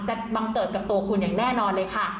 บังเกิดกับตัวคุณอย่างแน่นอนเลยค่ะ